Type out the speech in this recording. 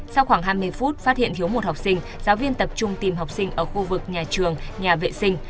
sau khoảng hai mươi phút phát hiện thiếu một học sinh giáo viên tập trung tìm học sinh ở khu vực nhà trường nhà vệ sinh